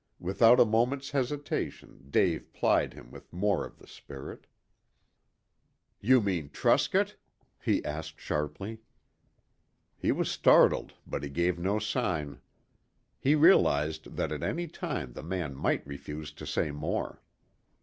Without a moment's hesitation Dave plied him with more of the spirit. "You mean Truscott?" he asked sharply. He was startled, but he gave no sign. He realized that at any time the man might refuse to say more.